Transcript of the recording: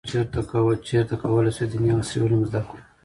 چیرته کولای شو دیني او عصري علوم زده کړو؟